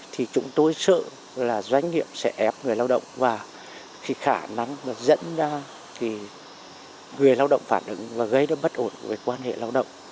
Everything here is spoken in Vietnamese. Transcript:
thì chúng tôi sợ là doanh nghiệp sẽ ép người lao động và cái khả năng dẫn ra thì người lao động phản ứng và gây ra bất ổn với quan hệ lao động